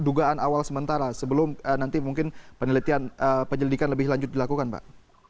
dugaan awal sementara sebelum nanti mungkin penyelidikan lebih lanjut dilakukan pak